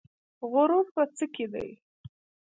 غرور په څه کې دی؟